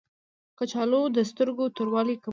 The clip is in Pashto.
کچالو د سترګو توروالی کموي